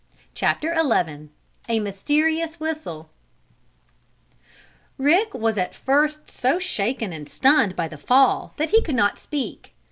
CHAPTER XI A MYSTERIOUS WHISTLE Rick was at first so shaken and stunned by the fall that he could not speak.